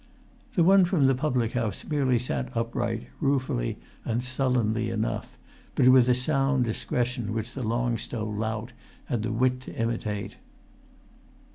The one from the public house merely sat upright, ruefully and sullenly enough, but with a sound discretion which the Long Stow lout had the wit to imitate.